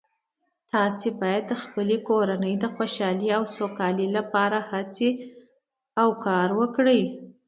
تاسو باید د خپلې کورنۍ د خوشحالۍ او سوکالۍ لپاره هڅې او کار وکړئ